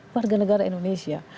warga negara indonesia